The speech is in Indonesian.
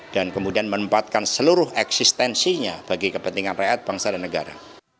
dan kemudian menempatkan seluruh eksistensinya bagi kepentingan rakyat bangsa dan negara